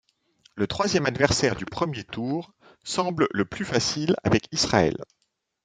Le troisième adversaire du premier tour semble le plus facile avec Israël.